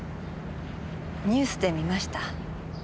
ニュースで見ました。